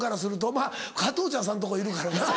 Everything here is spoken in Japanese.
まぁ加藤茶さんとこいるからな。